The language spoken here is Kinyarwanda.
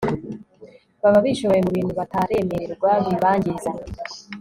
baba bishoye mu bintu bataremererwa bibangiza